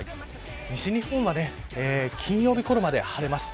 西日本は金曜日ごろまで晴れます。